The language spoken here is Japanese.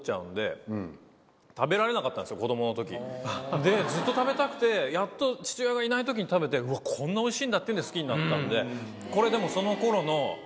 子どものときでずっと食べたくてやっと父親がいないときに食べて「こんなおいしいんだ！」っていうので好きになったんでこれでも。